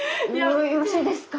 よろしいですか？